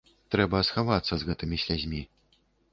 Трэба схавацца з гэтымі слязьмі.